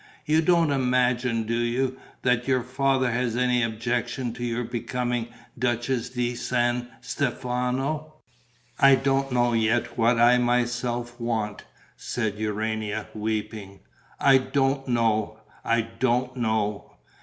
You don't imagine, do you, that your father has any objection to your becoming Duchess di San Stefano?" "I don't know yet what I myself want," said Urania, weeping. "I don't know, I don't know."